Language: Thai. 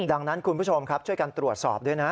ดังนั้นคุณผู้ชมครับช่วยกันตรวจสอบด้วยนะ